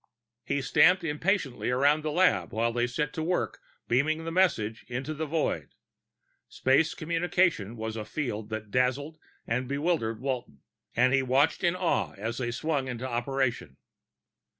He stamped impatiently around the lab while they set to work beaming the message into the void. Space communication was a field that dazzled and bewildered Walton, and he watched in awe as they swung into operation.